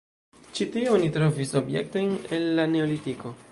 Ĉi tie oni trovis objektojn el la neolitiko.